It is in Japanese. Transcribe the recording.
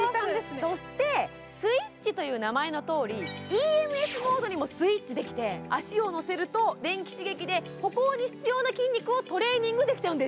そしてスイッチという名前のとおりＥＭＳにもスイッチができて足をのせると電気刺激で歩行に必要な筋肉をトレーニングできちゃうんです。